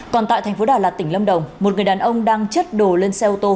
còn tại thành phố đà lạt tỉnh lâm đồng một người đàn ông đang chất đồ lên xe ô tô